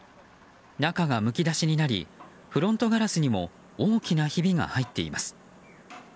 中がむき出しになりフロントガラスにも大きなひびが入っています。